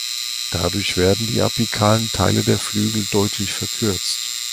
Dadurch werden die apikalen Teile der Flügel deutlich verkürzt.